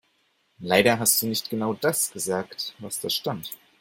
Leider hast du nicht genau das gesagt, was da stand.